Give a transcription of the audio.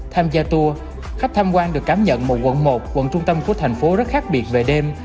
tham gia tour khách tham quan được cảm nhận một quận một quận trung tâm của thành phố rất khác biệt về đêm